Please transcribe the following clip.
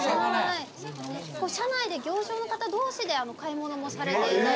車内で行商の方同士で買い物もされていた。